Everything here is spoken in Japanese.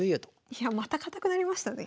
いやまた堅くなりましたね。